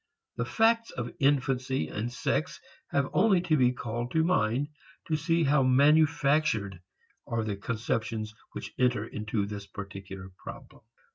The facts of infancy and sex have only to be called to mind to see how manufactured are the conceptions which enter into this particular problem.